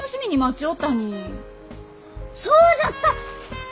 そうじゃった！